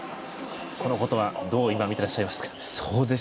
このことはどう見てらっしゃいますか？